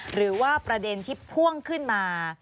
หรือว่าประเด็นที่พ่วงขึ้นมา